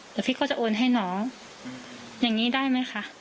เดี๋ยวพี่ก็จะโอนให้น้องอย่างนี้ได้ไหมคะ